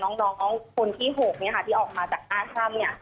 น้องคนที่๖เนี่ยค่ะที่ออกมาจากอาธรรมเนี่ย